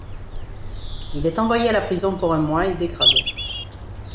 Il est envoyé à la prison pour un mois et dégradé.